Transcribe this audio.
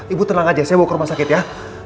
ibu tenang aja saya mau ke rumah sakit ya